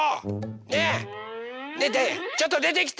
ねえねえちょっとでてきて！